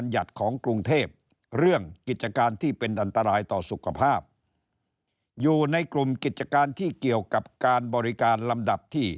อยู่ในกลุ่มกิจการที่เกี่ยวกับการบริการลำดับที่